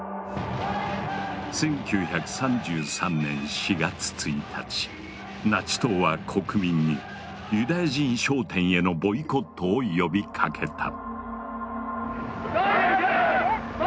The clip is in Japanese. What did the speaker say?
１９３３年４月１日ナチ党は国民にユダヤ人商店へのボイコットを呼びかけた。